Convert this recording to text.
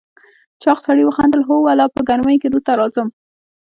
چاغ سړي وخندل: هو والله، په ګرمۍ کې دلته راځم.